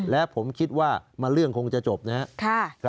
และผมคิดว่าเรื่องคงจะจบนะครับ